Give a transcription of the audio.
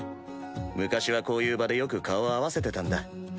昔はこういう場でよく顔合わせてたんだ。